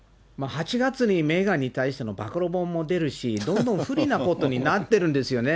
８月にメーガンに対しての暴露本も出るし、どんどん不利なことになってるんですよね。